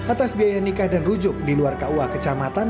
atas biaya nikah dan rujuk di luar kua kecamatan